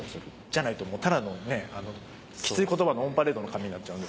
じゃないとただのきついコトバのオンパレードの紙になっちゃう。